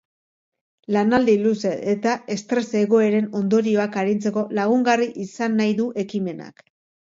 Lanaldi luze eta estres egoeren ondorioak arintzeko lagungarri izan nahi du ekimenak.